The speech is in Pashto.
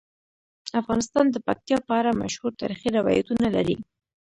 افغانستان د پکتیا په اړه مشهور تاریخی روایتونه لري.